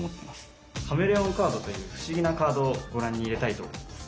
カメレオンカードという不思議なカードをご覧に入れたいと思います。